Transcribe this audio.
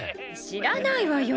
知らないわよ。